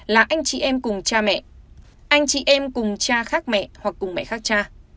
là anh chị em cùng cha mẹ anh chị em cùng cha khác mẹ hoặc cùng mẹ khác cha